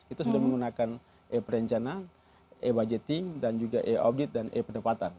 itu sudah menggunakan e perencana e budgeting dan juga e audit dan e pendapatan